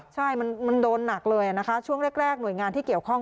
ใช่มันโดนหนักเลยนะคะช่วงแรกหน่วยงานที่เกี่ยวข้อง